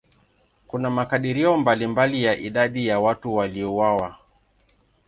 Kuna makadirio mbalimbali ya idadi ya watu waliouawa.